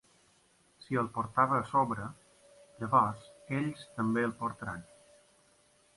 Si el portava a sobre, llavors ells també el portaran.